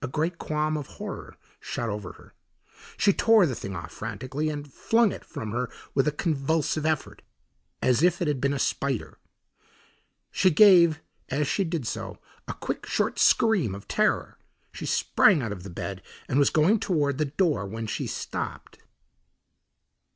A great qualm of horror shot over her. She tore the thing off frantically and flung it from her with a convulsive effort as if it had been a spider. She gave, as she did so, a quick, short scream of terror. She sprang out of bed and was going toward the door, when she stopped.